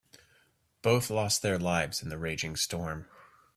Both lost their lives in the raging storm.